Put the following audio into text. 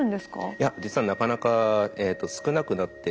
いや実はなかなか少なくなってきています。